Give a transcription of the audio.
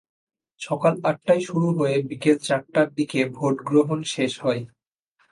সকাল আটটায় শুরু হয়ে বিকেল চারটার দিকে ভোট গ্রহণ শেষ হয়।